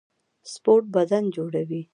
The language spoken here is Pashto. سپورټ بدن جوړوي